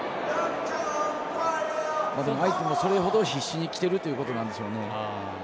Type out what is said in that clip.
でも、相手もそれほど必死にきてるということなんですよね。